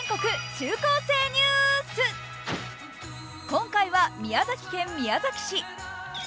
今回は宮崎県宮崎市。